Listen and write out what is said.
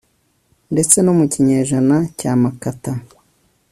ndetse no mu kinyejana cya makata